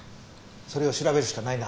それを調べるしかないな。